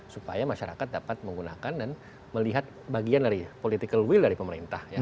supaya masyarakat dapat menggunakan dan melihat bagian dari political will dari pemerintah